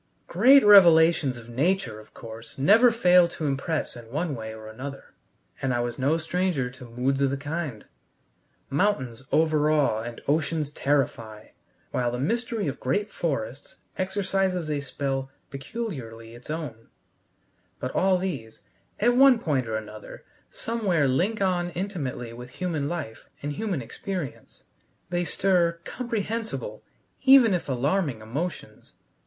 Great revelations of nature, of course, never fail to impress in one way or another, and I was no stranger to moods of the kind. Mountains overawe and oceans terrify, while the mystery of great forests exercises a spell peculiarly its own. But all these, at one point or another, somewhere link on intimately with human life and human experience. They stir comprehensible, even if alarming, emotions.